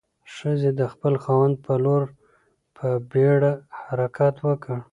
ښځې د خپل خاوند په لور په بیړه حرکت وکړ.